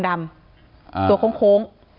ดำตัวโค้ง